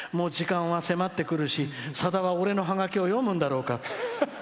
時間は迫ってくるし、さだは俺のハガキを読むんだろうか。